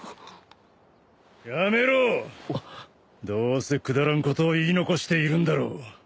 どうせくだらんことを言い残しているんだろう。